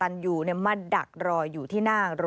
ฟังเสียงอาสามูลละนิทีสยามร่วมใจ